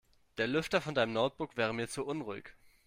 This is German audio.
Der Lüfter von deinem Notebook wäre mir zu unruhig.